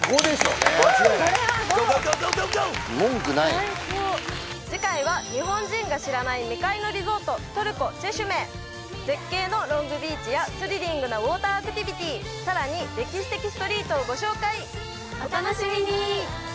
これは５最高文句ない次回は日本人が知らない未開のリゾートトルコチェシュメ絶景のロングビーチやスリリングなウォーターアクティビティさらに歴史的ストリートをご紹介お楽しみに！